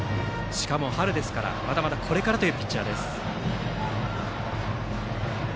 しかも春ですから、まだまだこれからというピッチャー。